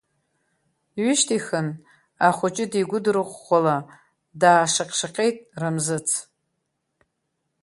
Дҩышьҭихын, ахәыҷы дигәыдырӷәӷәала, даашаҟь-шаҟьеит Рамзыц.